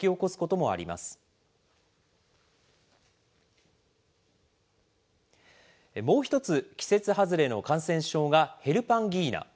もう１つ、季節外れの感染症がヘルパンギーナ。